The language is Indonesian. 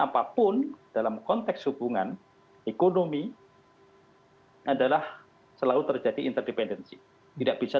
apapun dalam konteks hubungan ekonomi adalah selalu terjadi independensi tidak bisa